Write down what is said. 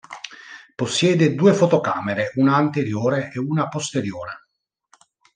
Possiede due fotocamere, una anteriore e una posteriore.